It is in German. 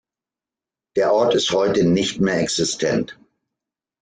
Der Ort ist heute nicht mehr existent.